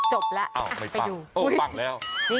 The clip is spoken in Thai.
จบละไปดู